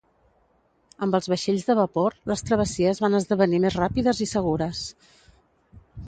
Amb els vaixells de vapor, les travessies van esdevenir més ràpides i segures.